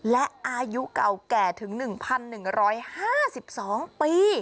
และอายุเก่าแก่ถึง๑๑๕๒ปี